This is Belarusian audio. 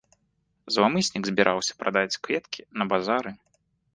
Зламыснік збіраўся прадаць кветкі на базары.